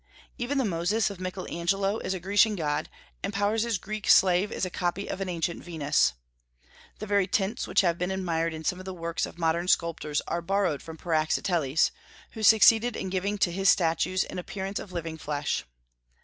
Even the Moses of Michael Angelo is a Grecian god, and Powers's Greek Slave is a copy of an ancient Venus. The very tints which have been admired in some of the works of modern sculptors are borrowed from Praxiteles, who succeeded in giving to his statues an appearance of living flesh.